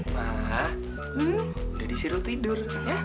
ma udah disirul tidur